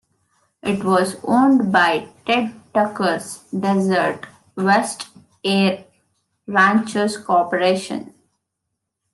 It was owned by Ted Tucker's Desert West Air Ranchers Corporation.